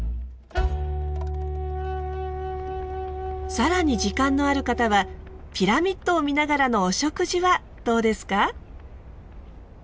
更に時間のある方はピラミッドを見ながらのお食事はどうですか？